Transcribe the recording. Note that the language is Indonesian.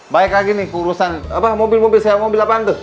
baik lagi nih urusan mobil mobil saya mobil delapan tuh